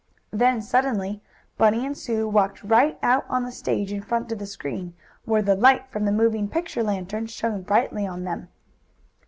Then suddenly Bunny and Sue walked right out on the stage in front of the screen, where the light from the moving picture lantern shone brightly on them.